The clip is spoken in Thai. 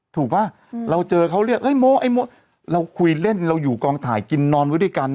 ป่ะเราเจอเขาเรียกโมไอ้โมเราคุยเล่นเราอยู่กองถ่ายกินนอนไว้ด้วยกัน